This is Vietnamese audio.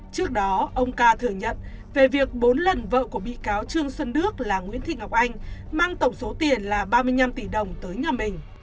trước đó ông ca thừa nhận về việc bốn lần vợ của bị cáo trương xuân đức là nguyễn thị ngọc anh mang tổng số tiền là ba mươi năm tỷ đồng tới nhà mình